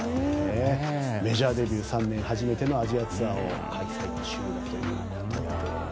メジャーデビュー３年初めてのアジアツアーを開催中だと。